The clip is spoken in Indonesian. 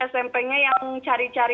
smp nya yang cari cari